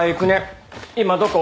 今どこ？